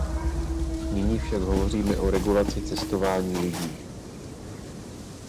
Nyní však hovoříme o regulaci cestování lidí.